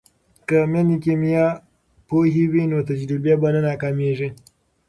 که میندې کیمیا پوهې وي نو تجربې به نه ناکامیږي.